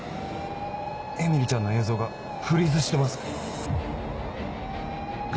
えみりちゃんの映像がフリーズしてます。